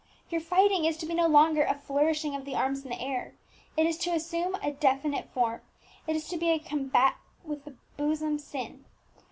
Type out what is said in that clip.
Your fighting is to be no longer a flourishing of the arms in the air; it is to assume a definite form, it is to be a combat with the bosom sin.